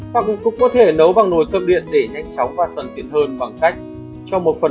hoặc cũng có thể nấu bằng nồi cơm điện để nhanh chóng và cẩn thiện hơn bằng cách cho một phần